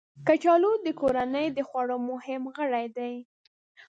کچالو د کورنۍ د خوړو مهم غړی دی